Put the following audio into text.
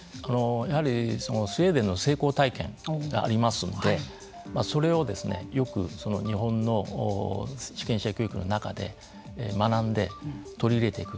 やはりスウェーデンの成功体験がありますのでそれをよく日本の主権者教育の中で学んで取り入れていく。